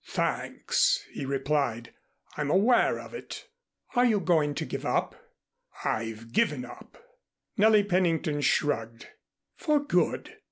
"Thanks," he replied, "I'm aware of it." "Are you going to give up?" "I've given up." Nellie Pennington shrugged. "For good?